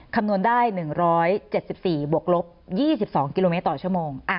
คำนวณได้๑๗๔บวกลบ๒๒กิโลเมตรต่อชั่วโมง